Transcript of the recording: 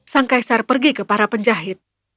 sang kaisar pergi ke para penjahit